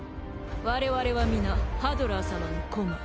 我々は皆ハドラー様の駒。